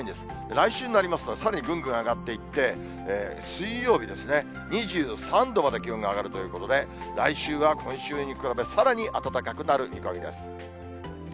来週になりますと、さらにぐんぐん上がっていって、水曜日ですね、２３度まで気温が上がるということで、来週は今週に比べさらに暖かくなる見込みです。